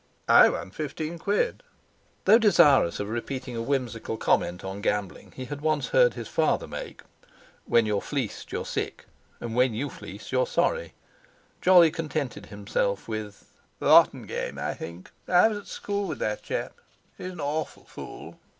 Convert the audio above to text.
"I won fifteen quid." Though desirous of repeating a whimsical comment on gambling he had once heard his father make—"When you're fleeced you're sick, and when you fleece you're sorry"—Jolly contented himself with: "Rotten game, I think; I was at school with that chap. He's an awful fool."